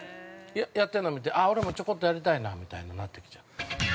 やってるの見て、ああ、俺もちょこっとやりたいなみたいになってきちゃう。